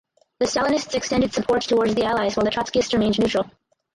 The Stalinists extended support towards The Allies while the Trotskyists remained neutral.